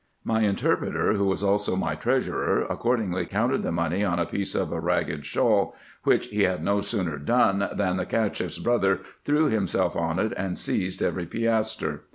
My interpreter, who was also my treasurer, accordingly counted the money on a piece of a ragged shawl, which he had no sooner done, than the CachefF's brother threw himself on it, and seized every piastre.